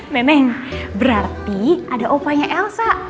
neneng berarti ada opanya elsa